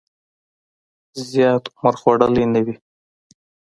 زیات عمر خوړلی نه وي.